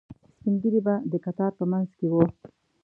سپینږیري به د کتار په منځ کې وو.